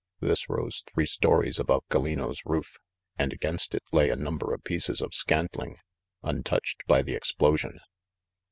This rose three stories above Gal lino's roof, and against it lay a number of pieces of scantling, untouched by the explosion.